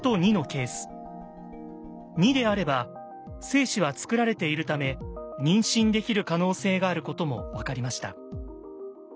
２であれば精子はつくられているため妊娠できる可能性があることも分かりました。